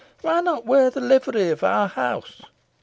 Why not wear the livery of our house?"